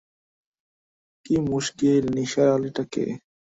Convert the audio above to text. কী মুশকিল, নিসার আলিটা কে?